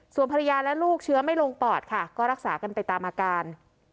ส่วนภรรยาและลูกเชื้อไม่ลงปอดค่ะก็รักษากันไปตามอาการ